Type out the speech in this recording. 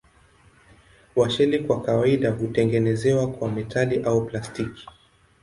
Washeli kwa kawaida hutengenezwa kwa metali au plastiki.